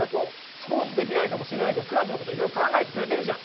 スポーツできないかもしれないけどクラスのこといろいろ考えてくれてるじゃん。